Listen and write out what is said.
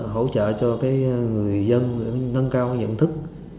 hỗ trợ cho người dân nâng cao nhận thức